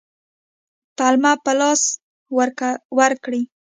پلمه په لاس ورکړي.